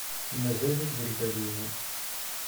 Mazal-ik deg lbal-inu.